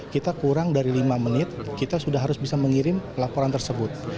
kita kurang dari lima menit kita sudah harus bisa mengirim laporan tersebut